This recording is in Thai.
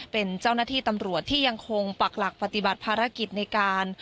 เป็นเจ้าหน้าที่ตำรวจที่ยังคงปักหลักปฏิบัติภารกิจในการ